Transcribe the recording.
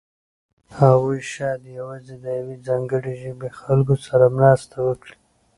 هغوی شاید یوازې د یوې ځانګړې ژبې خلکو سره مرسته وکړي.